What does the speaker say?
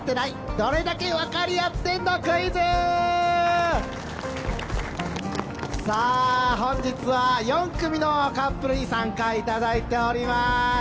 どれだけわかりあってんのクイズさあ本日は４組のカップルに参加いただいております